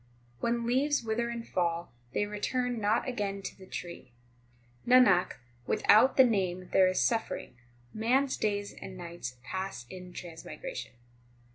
8 When leaves wither and fall, they return not again to the tree. Nanak, without the Name there is suffering ; man s days and nights pass in transmigration.